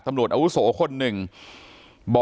สวัสดีครับ